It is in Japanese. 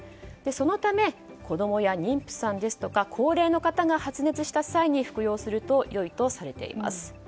そのため子供や妊婦さんですとか高齢の方が発熱した際に服用するとよいとされています。